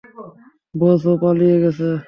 বস, ও পালিয়ে গেছে।